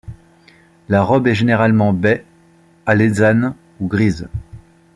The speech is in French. La robe est généralement baie, alezane ou grise.